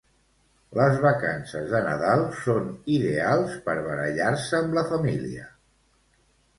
Les vacances de Nadal són ideals per barallar-se amb la famíla